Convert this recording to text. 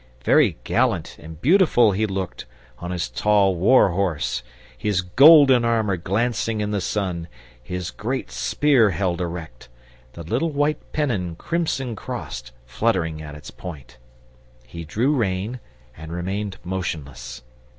Very gallant and beautiful he looked, on his tall war horse, his golden armour glancing in the sun, his great spear held erect, the little white pennon, crimson crossed, fluttering at its point. He drew rein and remained motionless.